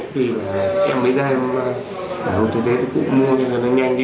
thì em mới ra em bảo một cái giấy thì cũng mua cho nó nhanh